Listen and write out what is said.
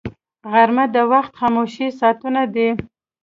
غرمه د وخت خاموش ساعتونه دي